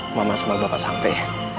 aku udah selalu lindungi